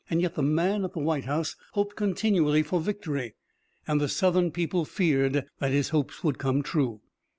Yet the man at the White House hoped continually for victory, and the Southern people feared that his hopes would come true.